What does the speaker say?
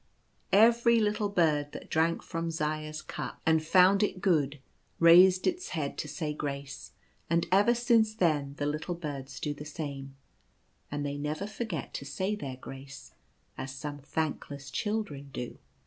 Every little bird that drank from Zaya's cup and found it good raised its head tp say grace ; and ever since then the little birds do the same, and they never forget to say their grace— as some thankless children do.